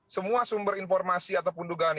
semua sumber informasi ataupun dugaan